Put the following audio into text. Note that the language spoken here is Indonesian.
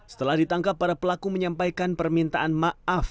setelah ditangkap para pelaku menyampaikan permintaan maaf